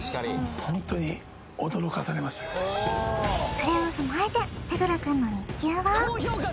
それを踏まえて目黒くんの日給は？